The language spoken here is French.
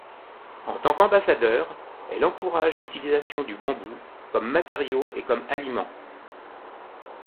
En tant qu'ambassadeur, elle encourage l'utilisation du bambou comme matériau et comme aliment.